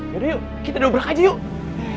yuk kita dobrak aja yuk